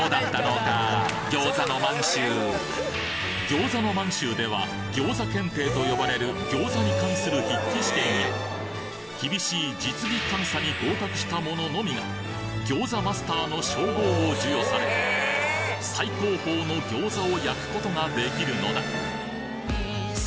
ぎょうざの満洲では餃子検定と呼ばれる餃子に関する筆記試験や厳しい実技監査に合格した者のみが餃子マスターの称号を授与され最高峰の餃子を焼くことができるのだ